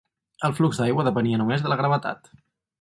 El flux d'aigua depenia només de la gravetat.